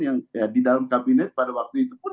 yang di dalam kabinet pada waktu itu pun